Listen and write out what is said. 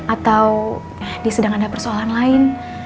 atau di sedang ada persoalan lain